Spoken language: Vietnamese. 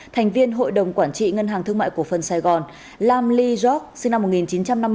thành viên hội đồng quản trị ngân hàng thương mại cổ phân sài gòn lam ly gióc sinh năm một nghìn chín trăm năm mươi chín